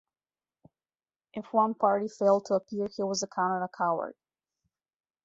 If one party failed to appear, he was accounted a coward.